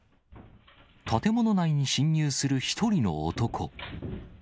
建物内に侵入する一人の男。